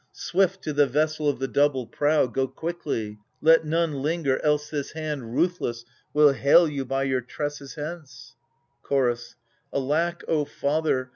Swift to the vessel of the double prow, Go quickly ! let none linger, else this hand Ruthless will hale you by your tresses hence. Chorus. Alack, O father